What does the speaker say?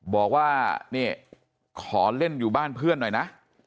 บอกว่านี่ขอเล่นอยู่บ้านเพื่อนหน่อยนะ